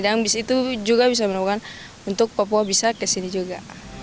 dan itu juga bisa menemukan untuk papua bisa ke sini juga